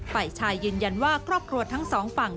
ฝ่ายชายยืนยันว่าครอบครัวทั้งสองฝั่ง